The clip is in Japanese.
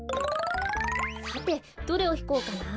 さてどれをひこうかな。